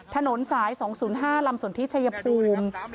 ถนนสาย๒๐๕ลำสนทิชัยภูมิ